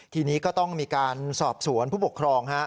ทีนี้ก็ต้องมีการสอบสวนผู้ปกครอง